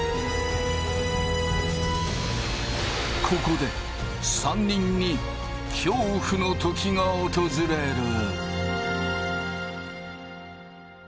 ここで３人に恐怖のときが訪れる。